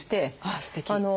あすてき。